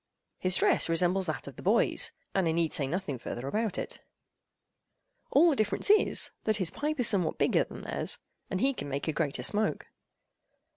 His dress resembles that of the boys—and I need say nothing farther about it. All the difference is, that his pipe is somewhat bigger than theirs and he can make a greater smoke.